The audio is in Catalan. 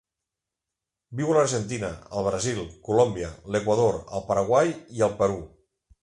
Viu a l'Argentina, el Brasil, Colòmbia, l'Equador, el Paraguai i el Perú.